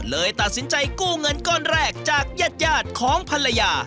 เลยตัดสินใจกู้เงินก้อนแรกจากญาติของภรรยา